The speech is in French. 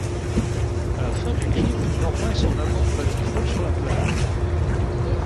À la fin du clip, Norma et son amant batifolent sur la plage.